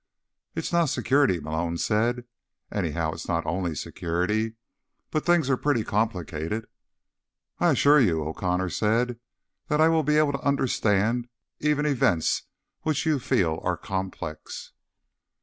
"It's not security," Malone said. "Anyhow, it's not only security. But things are pretty complicated." "I assure you," O'Connor said, "that I will be able to understand even events which you feel are complex."